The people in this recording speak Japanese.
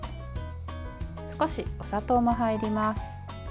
少し、お砂糖も入ります。